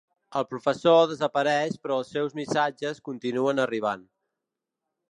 El professor desapareix però els seus missatges continuen arribant.